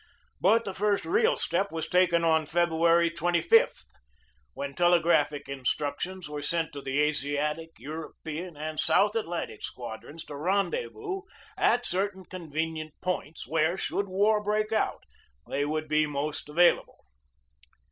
But the first real step was taken on February 25, when telegraphic instructions were sent to the Asiatic, European, and South Atlantic Squadrons to rendezvous at certain convenient points where, should war break out, they would be most available.